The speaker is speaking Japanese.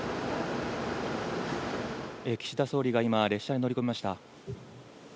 岸田総理が今列車に乗り込みました。